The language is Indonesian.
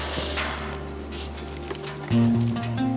gue tinggal ya